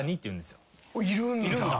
いるんだ？